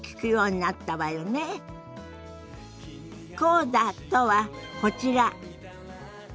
コーダとはこちら。